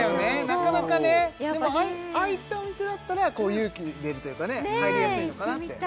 なかなかねそうやっぱねでもああいったお店だったら勇気出るというかね入りやすいのかなってねえ